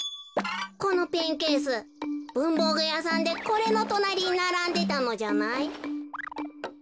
このペンケースぶんぼうぐやさんでこれのとなりにならんでたのじゃない？